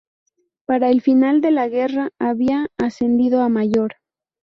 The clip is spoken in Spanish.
Para el final de la guerra había ascendido a mayor.